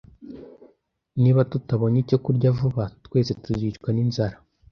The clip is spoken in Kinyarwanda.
Niba tutabonye icyo kurya vuba, twese tuzicwa ninzara.